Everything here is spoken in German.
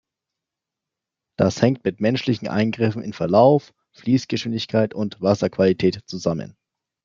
Das hängt mit menschlichen Eingriffen in Verlauf, Fließgeschwindigkeit und Wasserqualität zusammen.